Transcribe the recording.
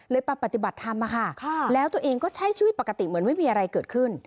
มาปฏิบัติธรรมอะค่ะแล้วตัวเองก็ใช้ชีวิตปกติเหมือนไม่มีอะไรเกิดขึ้น